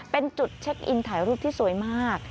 เป็นจุดเช็คอินถ่ายรูปที่สวยมาก